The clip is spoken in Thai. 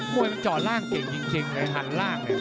มวยมันเจาะล่างเก่งจริงไหนก่อนล่าง